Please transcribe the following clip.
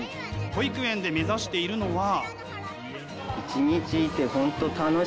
保育園で目指しているのは。